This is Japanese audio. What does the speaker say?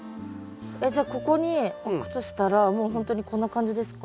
えっじゃあここに置くとしたらもうほんとにこんな感じですか？